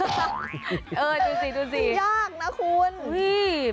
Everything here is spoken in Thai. ยากนะคุณ